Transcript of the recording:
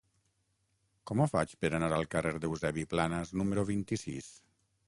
Com ho faig per anar al carrer d'Eusebi Planas número vint-i-sis?